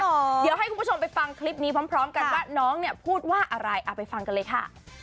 เดี๋ยวให้คุณผู้ชมไปฟังคลิปนี้พร้อมกันว่าน้องเนี่ยพูดว่าอะไรเอาไปฟังกันเลยค่ะ